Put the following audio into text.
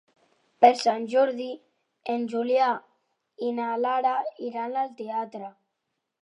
Per Sant Jordi en Julià i na Lara iran al teatre.